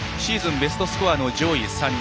ベストスコアの上位３人。